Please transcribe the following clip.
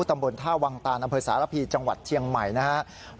ตำบลท่าวังตานอำเภอสารพีจังหวัดเชียงใหม่นะครับ